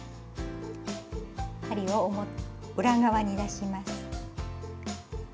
針を裏側に出します。